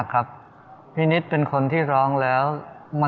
ช่วยฝังดินหรือกว่า